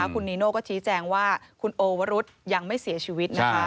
คุณนีโน่ก็ชี้แจงว่าคุณโอวรุษยังไม่เสียชีวิตนะคะ